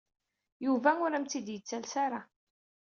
Yuba ur am-t-id-yettales ara.